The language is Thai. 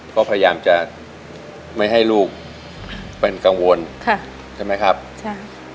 ก็พยายามจะไม่ให้ลูกเป็นกังวลค่ะใช่ไหมครับใช่